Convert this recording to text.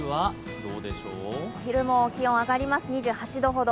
お昼も気温が上がります、２８度ほど。